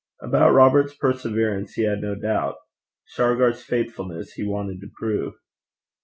About Robert's perseverance he had no doubt: Shargar's faithfulness he wanted to prove.